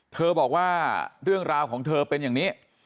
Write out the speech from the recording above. บอกว่าเรื่องราวของเธอเป็นอย่างนี้